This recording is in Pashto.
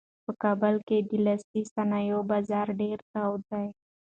په کابل کې د لاسي صنایعو بازار ډېر تود دی.